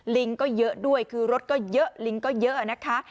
ลิงก็เยอะด้วยคือรถก็เยอะลิงก็เยอะนะคะ